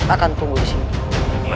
akan tunggu disini